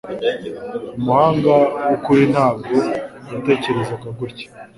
Umuhanga wukuri ntabwo yatekereza gutya